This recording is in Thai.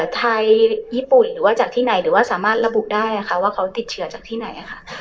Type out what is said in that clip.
ไทยญี่ปุ่นหรือว่าจากที่ไหนหรือว่าสามารถระบุได้นะคะว่าเขาติดเชื้อจากที่ไหนค่ะ